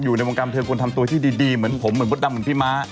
อยู่ในวงการเทิมควรทำตัวที่ดีเหมือนผมเหมือนมดดำเหมือนพี่ม้า